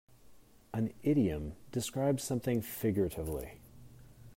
An idiom describes something figuratively.